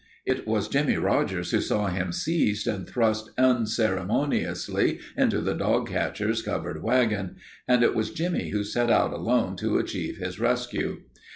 It was Jimmie Rogers who saw him seized and thrust unceremoniously into the dog catcher's covered wagon, and it was Jimmie who set out alone to achieve his rescue.